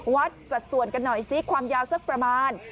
สัดส่วนกันหน่อยสิความยาวสักประมาณ